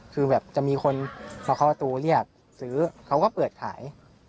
คือแบบจะมีคนมาเคาะประตูเรียกซื้อเขาก็เปิดขาย